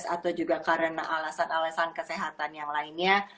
atau juga karena alasan alasan kesehatan yang lainnya